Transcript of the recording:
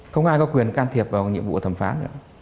không ai có quyền can thiệp vào nhiệm vụ của thẩm phán nữa